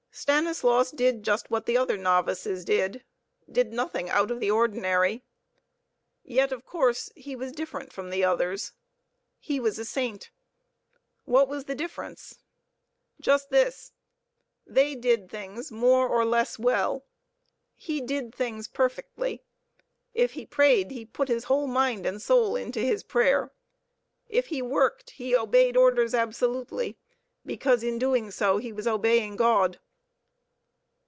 Stanislaus did just what the other novices did, did nothing out of the ordinary. Yet, of course, he was different from the others; he was a saint. What was the difference? Just this: they did things more or less well; he did things perfectly. If he prayed, he put his whole mind and soul into his prayer. If he worked, he obeyed orders absolutely, because in doing so he was obeying God.